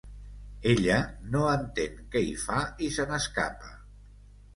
Ella no entén què hi fa i se n’escapa.